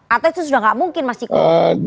atau itu sudah nggak mungkin mas ciko